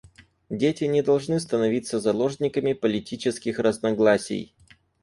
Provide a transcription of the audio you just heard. Дети не должны становиться заложниками политических разногласий.